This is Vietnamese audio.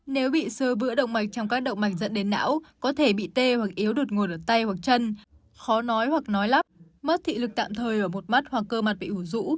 nếu bị sơ vữa động mạch trong các động mạch dẫn đến não có thể bị tê hoặc yếu đột ngột ở tay hoặc chân khó nói hoặc nói lắp thị lực tạm thời ở một mắt hoặc cơ mặt bị hủ rũ